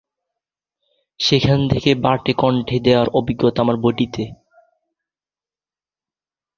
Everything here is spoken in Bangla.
সেখান থেকে, বার্টে কণ্ঠ দেওয়ার অভিজ্ঞতা তার বইটিতে।